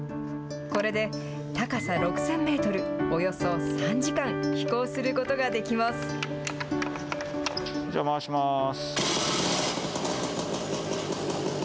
これで高さ６０００メートル、およそ３時間、飛行することができじゃあ回します。